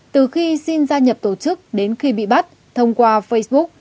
từ khi xin gia nhập tổ chức đến khi bị bắt thông qua facebook